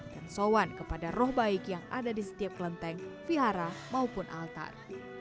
dan sowan kepada roh baik yang ada di setiap kelenteng vihara maupun altar